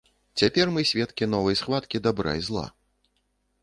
Цяпер мы сведкі новай схваткі дабра і зла.